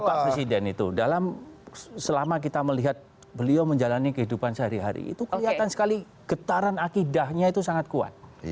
pak presiden itu dalam selama kita melihat beliau menjalani kehidupan sehari hari itu kelihatan sekali getaran akidahnya itu sangat kuat